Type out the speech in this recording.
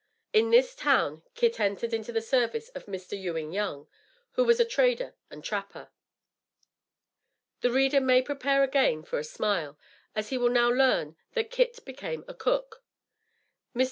In this town Kit entered into the service of Mr. Ewing Young, who was a trader and trapper. The reader may prepare again for a smile, as he will now learn that Kit became a cook. Mr.